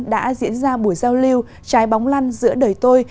đã diễn ra buổi giao lưu trái bóng lăn giữa đời tôi